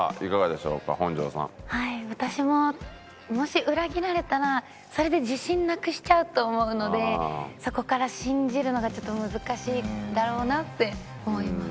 私ももし裏切られたらそれで自信なくしちゃうと思うのでそこから信じるのがちょっと難しいだろうなって思います。